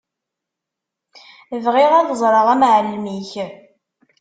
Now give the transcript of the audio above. Bɣiɣ ad ẓreɣ amεellem-ik.